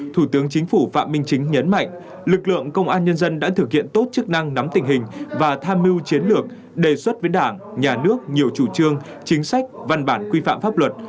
thủ tướng chính phủ phạm minh chính nhấn mạnh lực lượng công an nhân dân đã thực hiện tốt chức năng nắm tình hình và tham mưu chiến lược đề xuất với đảng nhà nước nhiều chủ trương chính sách văn bản quy phạm pháp luật